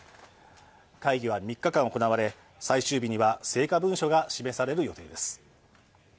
会議は３日間行われ、最終日には成果文書が示される予定です。